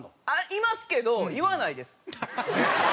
いますけど言わないです。